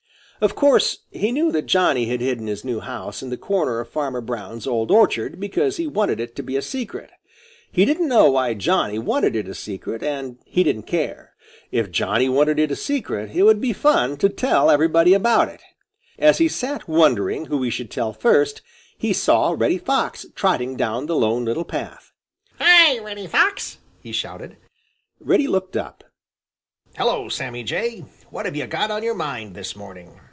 Of course he knew that Johnny had hidden his new house in the corner of Farmer Brown's old orchard because he wanted it to be a secret. He didn't know why Johnny wanted it a secret and he didn't care. If Johnny wanted it a secret, it would be fun to tell everybody about it. As he sat wondering who he should tell first; he saw Reddy Fox trotting down the Lone Little Path. "Hi, Reddy Fox!" he shouted. Reddy looked up. "Hello, Sammy Jay! What have you got on your mind this morning?"